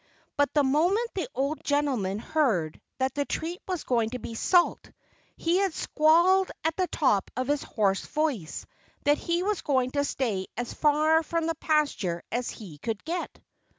But the moment the old gentleman heard that the treat was going to be salt he had squalled at the top of his hoarse voice that he was going to stay as far from the pasture as he could get.